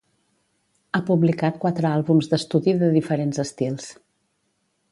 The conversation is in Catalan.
Ha publicat quatre àlbums d'estudi de diferents estils.